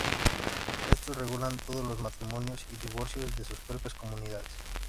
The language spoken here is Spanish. Estos regulan todos los matrimonios y divorcios de sus propias comunidades.